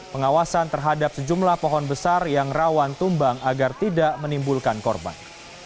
pengawasan terhadap sejumlah pohon besar yang rawan tumbang agar tidak menimbulkan korban